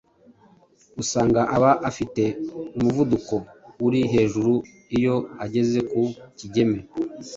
usanga aba afite umuvuduko uri hejuru iyo ageze ku Kigeme.